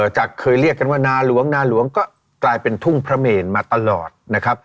จากเคยเรียกกันว่านาหลวงนาหลวงก็กลายเป็นทุ่งพระเมนมาตลอดนะครับ